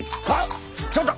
ちょっと！